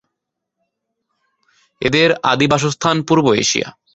এদের আদি বাসস্থান পূর্ব এশিয়া।